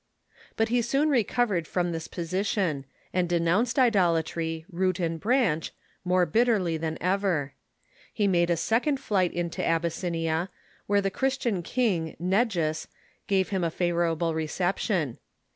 But he soon recov ered from this position, and denounced idolatry, root and branch, more bitterly than ever. He made a second flight into Abyssinia, where the Christian king, Negus, gave him a favorable reception.